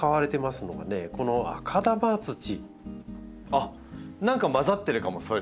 あっ何か混ざってるかもそいつも。